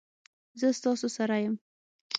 زه ستاسو سره یم